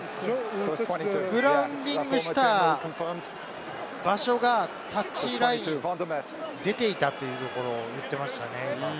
グラウンディングした場所がタッチラインを出ていたというところを言っていましたね。